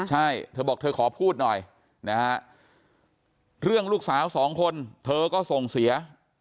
ใช่เธอบอกเธอขอพูดหน่อยนะฮะเรื่องลูกสาวสองคนเธอก็ส่งเสีย